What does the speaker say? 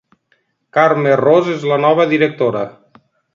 Carme Ros és la nova directora.